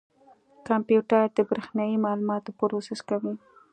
کمپیوټر د برېښنایي معلوماتو پروسس کوي.